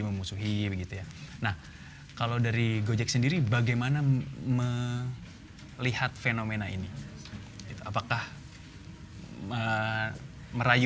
memusuhi begitu ya nah kalau dari gojek sendiri bagaimana melihat fenomena ini itu apakah merayu